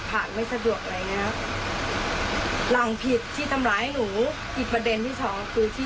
เธอรู้จากที่เหลือตอนนี้